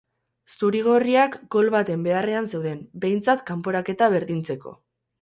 Zuri-gorriak gol baten beharrean zeuden, behintzat kanporaketa berdintzeko.